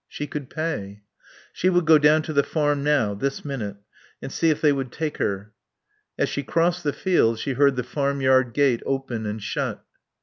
She could pay. She would go down to the farm now, this minute, and see if they would take her. As she crossed the field she heard the farmyard gate open and shut.